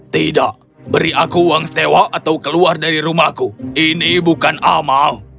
tidak beri aku uang sewa atau keluar dari rumahku ini bukan amal